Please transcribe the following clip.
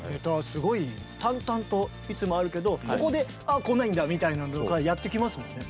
すごい淡々といつもあるけどここであこないんだみたいなのとかやってきますもんね。